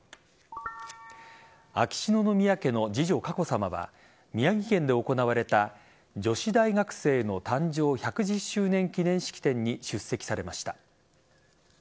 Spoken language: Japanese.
秋篠宮家の次女・佳子さまは宮城県で行われた女子大学生の誕生１１０周年記念式典に出席されました。